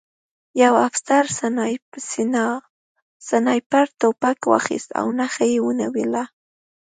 یوه افسر سنایپر توپک واخیست او نښه یې ونیوله